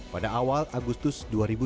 pada awal agustus dua ribu dua puluh